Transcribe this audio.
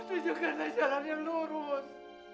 tujukanlah jalan yang lurus